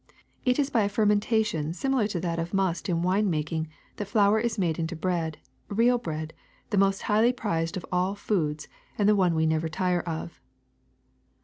It is by a fermentation similar to that of must in wine making that flour is made into bread, real bread, the most highly prized of all foods and the one we never tire of.